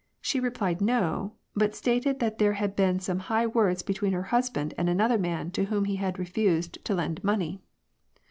She replied No, but stated that there had been some high words between her husband and another man to whom he had refused to lend money.